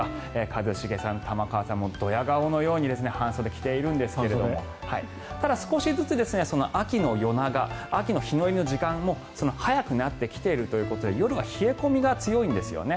一茂さん、玉川さんもドヤ顔のように半袖を着ているんですけれどただ、少しずつ秋の夜長秋の日の入りの時間も早くなってきているということで夜は冷え込みが強いんですよね。